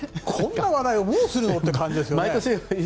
こんな話題をもうするのって感じですが。